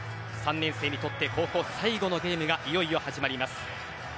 ３年生にとって高校最後のゲームがいよいよ始まります。